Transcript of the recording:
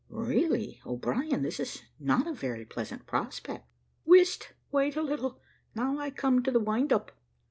"Really, O'Brien, this is not a very pleasant prospect." "Whist! wait a little; now I come to the wind up.